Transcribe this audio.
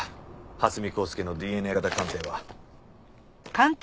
蓮見光輔のＤＮＡ型鑑定は。